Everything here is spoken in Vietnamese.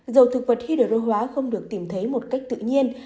dầu thực vật hydro hóa không được tìm thấy một cách tự nhiên